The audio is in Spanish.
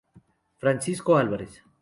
Francisco Alvarez